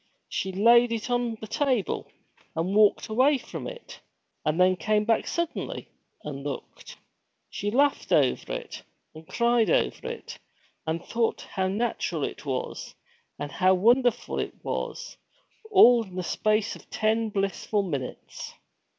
She laid it on the table, and walked away from it, and then came back suddenly, and looked. She laughed over it, and cried over it, and thought how natural it was, and how wonderful it was, all in the space of ten blissful minutes.